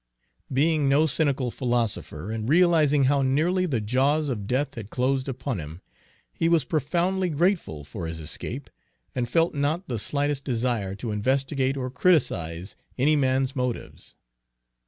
Being no cynical philosopher, and realizing how nearly the jaws of death had closed upon him, he was profoundly grateful for his escape, and felt not the slightest desire to investigate or criticise any man's motives.